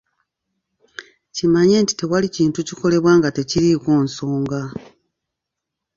Kimanye nti tewali kintu kikolebwa nga tekiriiko nsonga.